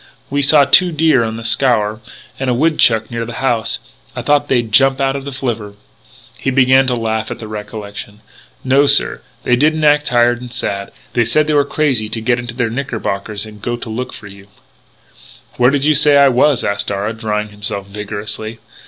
"We saw two deer on the Scaur, and a woodchuck near the house; I thought they'd jump out of the flivver " He began to laugh at the recollection: "No, sir, they didn't act tired and sad; they said they were crazy to get into their knickerbockers and go to look for you " "Where did you say I was?" asked Darragh, drying himself vigorously.